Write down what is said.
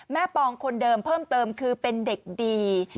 ปองคนเดิมเพิ่มเติมคือเป็นเด็กดี